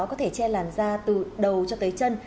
có thể che làn da từ đầu cho tới chân